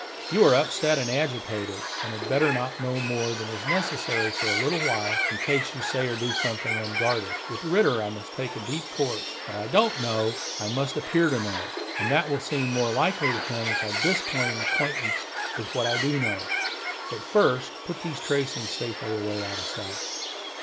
You are upset and agitated, and had better not know more than is necessary for a little while, in case you say or do something unguarded. With Ritter I must take a deep course; what I don't know I must appear to know, and that will seem more likely to him if I disclaim acquaintance with what I do know. But first put these tracings safely away out of sight."